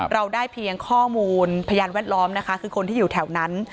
เราได้เพียงข้อมูลพยานแวดล้อมนะคะคือคนที่อยู่แถวนั้น